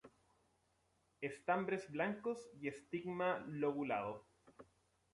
Estambres blancos y estigma lobulado.